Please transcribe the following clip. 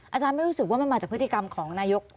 อาจารย์ไม่รู้สึกว่ามันมาจากพฤติกรรมของนายก